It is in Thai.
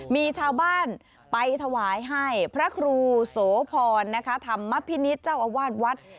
มีชาวบ้านไปถวายให้พระครูโสพรธรรมพินิษฐ์เจ้าอาวาสวัด